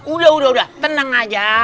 udah udah tenang aja